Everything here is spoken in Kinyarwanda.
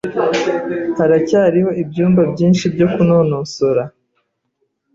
Haracyariho ibyumba byinshi byo kunonosora.